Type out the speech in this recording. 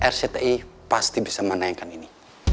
rcti pasti bisa menayangkan ini